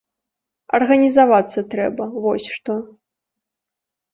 Арганізавацца трэба, вось што.